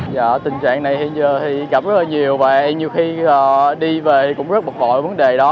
dạ tình trạng này hiện giờ thì gặp rất là nhiều và nhiều khi đi về cũng rất bực bội vấn đề đó